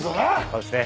そうですね。